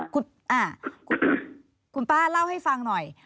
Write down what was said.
คุณป้าเล่าให้ฟังหน่อย